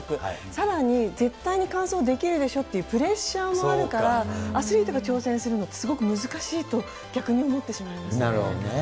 さらに、絶対に完走できるでしょっていうプレッシャーもあるから、アスリートが挑戦するのはすごく難しいと、逆に思ってしまいましなるほどね。